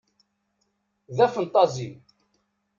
D afenṭazi.